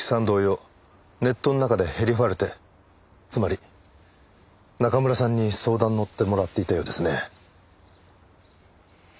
同様ネットの中でヘリファルテつまり中村さんに相談に乗ってもらっていたようですね。